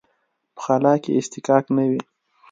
په خلا کې اصطکاک نه وي.